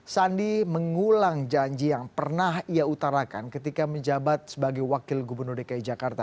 sandi mengulang janji yang pernah ia utarakan ketika menjabat sebagai wakil gubernur dki jakarta